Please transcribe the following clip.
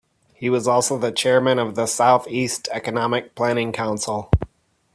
He was also the Chairman of the South East Economic Planning Council.